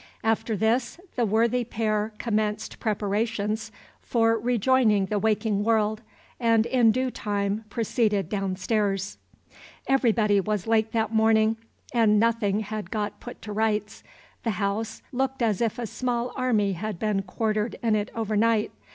After this, the worthy pair commenced preparations for rejoining the waking world, and in due time proceeded downstairs. Everybody was late that morning, and nothing had got put to rights. The house looked as if a small army had been quartered in it over night.